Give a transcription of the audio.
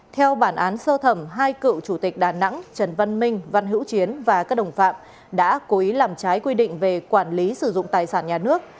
theo bản án sơ thẩm hai cựu chủ tịch đà nẵng trần văn minh văn hữu chiến và các đồng phạm đã cố ý làm trái quy định về quản lý sử dụng tài sản nhà nước